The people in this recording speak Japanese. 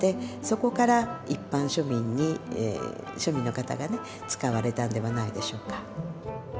そこから一般庶民に庶民の方が使われたんではないでしょうか。